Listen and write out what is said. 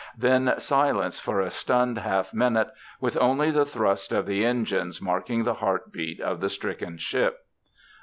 Then silence for a stunned half minute, with only the thrust of the engines marking the heartbeats of the stricken ship.